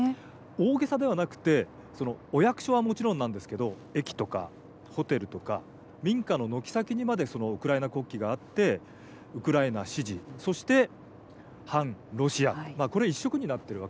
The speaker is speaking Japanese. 大げさではなくてお役所はもちろんなんですけど駅とかホテルとか民家の軒先にまでウクライナ国旗があってウクライナ支持そして反ロシアこれ一色になってるわけです。